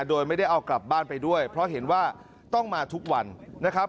โดยไม่ได้เอากลับบ้านไปด้วยเพราะเห็นว่าต้องมาทุกวันนะครับ